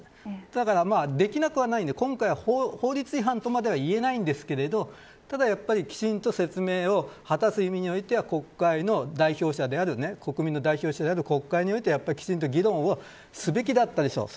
だからできなくはないので今回は法律違反とまではいえないんですけれどもきちんと説明を果たす意味においては国民の代表者である国会において、きちんと議論をすべきだったでしょう。